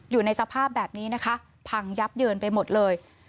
อยู่ในสภาพแบบนี้นะคะพังยับเยินไปหมดเลย